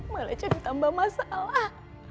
malah jadi tambah masalah